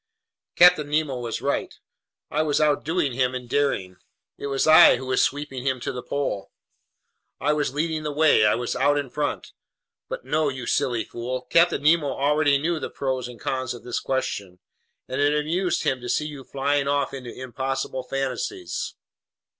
Captain Nemo was right. I was outdoing him in daring! It was I who was sweeping him to the pole. I was leading the way, I was out in front ... but no, you silly fool! Captain Nemo already knew the pros and cons of this question, and it amused him to see you flying off into impossible fantasies!